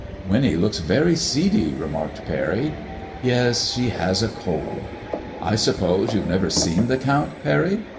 " Winnie looks very seedy," remarked Parry. Yes ; she has a cold. I sup pose you have never seen the Count, Parry